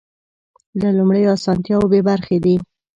له لومړیو اسانتیاوو بې برخې دي.